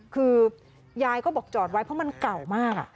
คือยายก็บอกจอดไว้เพราะมันเก่ามาก